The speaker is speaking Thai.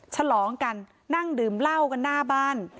ฉลองกันนั่งดื่มเหล้ากันหน้าบ้าน